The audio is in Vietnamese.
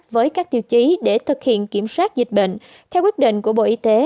với các tiêu chí để thực hiện kiểm soát dịch bệnh theo quyết định của bộ y tế